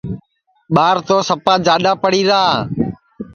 ٻار تو سپا جاڈؔا پڑی را